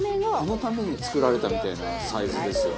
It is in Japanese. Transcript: このために作られたみたいなサイズですよね。